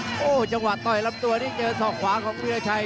โอ้โหจังหวะต่อยลำตัวนี่เจอศอกขวาของวิราชัย